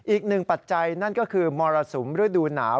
อีกหนึ่งปัจจัยนั่นก็คือมรสุมฤดูหนาว